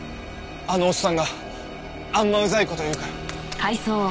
あのおっさんがあんまうざい事言うから。